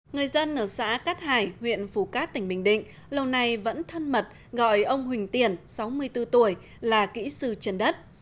người dân ở xã cát hải huyện phù cát tỉnh bình định lâu nay vẫn thân mật gọi ông huỳnh tiển sáu mươi bốn tuổi là kỹ sư trần đất